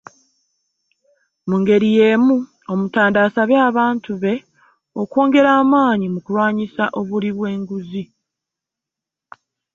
Mu ngeri y'emu Omutanda asabye abantu be okwongera amaanyi mu kulwanyisa obulyi bw'enguzi